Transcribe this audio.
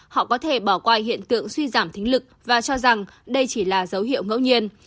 họ có thể bỏ qua hiện tượng suy giảm thính lực và cho rằng đây chỉ là dấu hiệu ngẫu nhiên